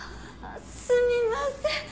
すみません！